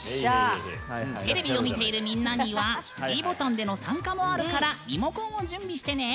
テレビを見ている、みんなにはｄボタンでの参加もあるからリモコンを準備してね。